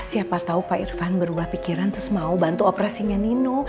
siapa tahu pak irfan berubah pikiran terus mau bantu operasinya nino